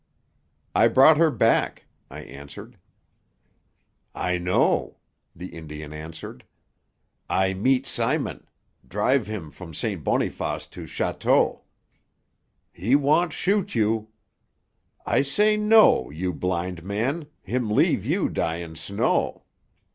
"I brought her back," I answered. "I know," the Indian answered. "I meet Simon; drive him from St. Boniface to château. He want shoot you. I say no, you blind man, him leave you die in snow.